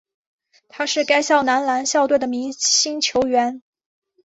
他是该校男篮校队的明星球员。